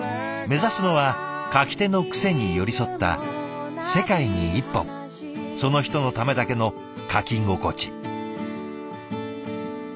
目指すのは書き手の癖に寄り添った世界に一本その人のためだけの書き心地。